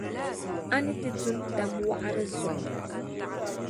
A ni ti du n-tam wɔɣiri zuɣu.